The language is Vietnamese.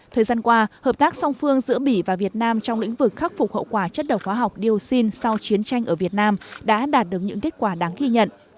thời gian qua hợp tác song phương giữa bỉ và việt nam trong lĩnh vực khắc phục hậu quả chất độc hóa học dioxin sau chiến tranh ở việt nam đã đạt được những kết quả đáng ghi nhận